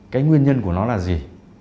cái nguyên nhân của nó là gì